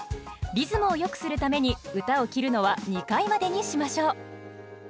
リズムをよくするために歌を切るのは２回までにしましょう。